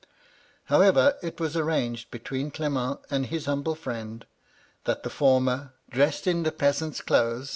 How ever, it was arranged between Clement and his humble friend, that the former, dressed in the peasant's clothes 142 MY LADY LUDLOW.